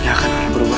dia akan berubah